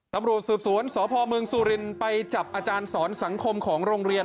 ตำรวจสืบสวนสพเมืองสุรินไปจับอาจารย์สอนสังคมของโรงเรียน